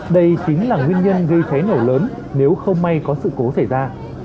đây chính là nguyên nhân gây cháy nổ lớn nếu không may có sự cố xảy ra